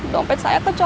dompet saya kecoh